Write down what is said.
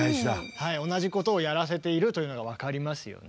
はい同じことをやらせているというのが分かりますよね。